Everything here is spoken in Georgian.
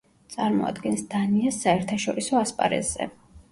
წარმოადგენს დანიას საერთაშორისო ასპარეზზე.